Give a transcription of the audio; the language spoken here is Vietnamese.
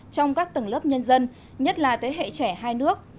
trong các tầng lớp nhân dân nhất là thế hệ trẻ hai nước